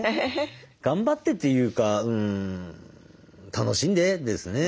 頑張ってっていうか楽しんで！ですね。